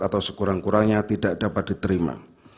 atau sekurang kurangnya tidak dapat diterima